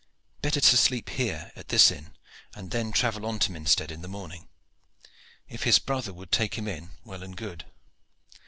Better to sleep here at this inn, and then travel on to Minstead in the morning. If his brother would take him in, well and good.